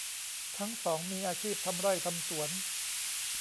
ทั้งสองมีอาชีพทำไร่ทำสวน